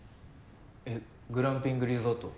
えっグランピングリゾート？